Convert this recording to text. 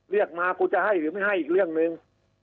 เรียกมากูจะให้หรือไม่ให้อีกเรื่องหนึ่ง